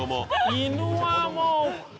犬はもう。